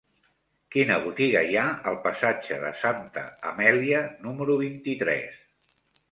Quina botiga hi ha al passatge de Santa Amèlia número vint-i-tres?